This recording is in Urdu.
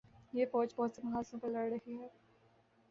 یہ فوج بہت سے محاذوںپر لڑ رہی ہے۔